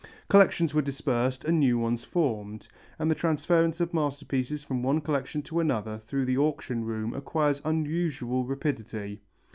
Collections are dispersed and new ones formed, and the transference of masterpieces from one collection to another through the auction room acquires unusual rapidity.